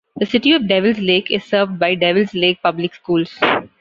The city of Devils Lake is served by Devils Lake Public Schools.